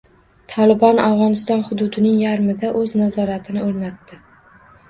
“Tolibon” Afg‘oniston hududining yarmida o‘z nazoratini o‘rnatdi